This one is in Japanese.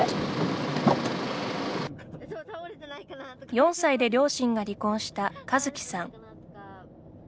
４才で両親が離婚した和希さん。